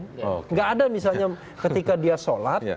tidak ada misalnya ketika dia sholat